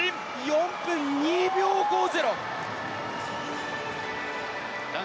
４分２秒５０。